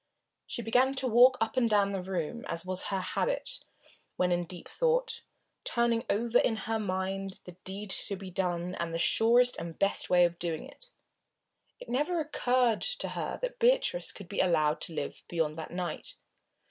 She began to walk up and down the room as was her habit when in deep thought, turning over in her mind the deed to be done and the surest and best way of doing it. It never occurred to her that Beatrice could be allowed to live beyond that night.